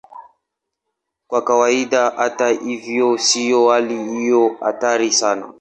Kwa kawaida, hata hivyo, sio hali iliyo hatari sana.